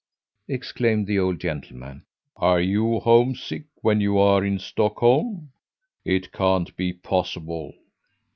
exclaimed the old gentleman. "Are you homesick when you are in Stockholm? It can't be possible!"